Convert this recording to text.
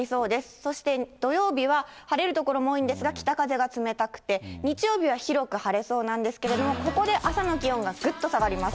そして土曜日は晴れる所も多いんですが、北風が冷たくて、日曜日は広く晴れそうなんですけれども、ここで朝の気温がぐっと下がります。